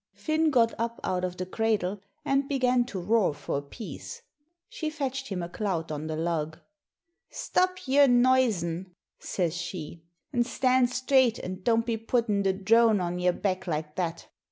Finn got up out of the cradle, and began to roar for a piece. She fetched him a clout on the lug. 'Stop your noisin',' says she. 'An' stand straight and don't be puttin' the drone on yer back like that.'